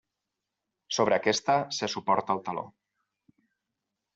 Sobre aquesta se suporta el taló.